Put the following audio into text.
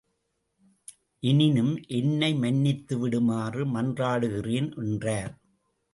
எனினும், என்னை மன்னித்து விடுமாறு மன்றாடுகிறேன் என்றார்.